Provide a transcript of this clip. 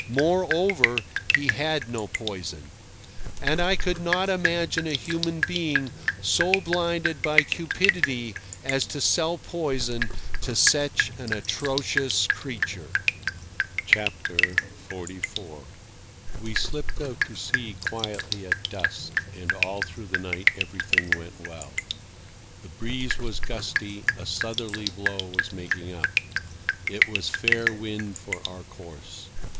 Moreover, he had no poison. And I could not imagine a human being so blinded by cupidity as to sell poison to such an atrocious creature. XLIV. We slipped out to sea quietly at dusk, and all through the night everything went well. The breeze was gusty; a southerly blow was making up. It was fair wind for our course.